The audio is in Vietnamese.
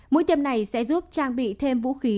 mũi tiêm này sẽ giúp trang bị thêm vũ khí